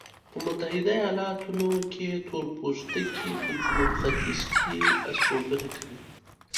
په متحده ایلاتونو کې تورپوستکي په جنوب ختیځ کې استوګنه کوي.